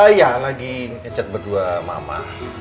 iya lagi ngecet berdua mama